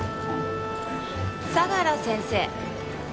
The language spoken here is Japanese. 相良先生？